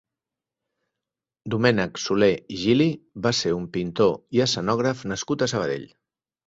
Domènec Soler i Gili va ser un pintor i escenògraf nascut a Sabadell.